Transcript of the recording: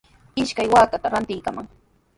Ishkay waakata rantikamay.